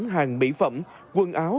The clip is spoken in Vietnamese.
hàng mỹ phẩm quần áo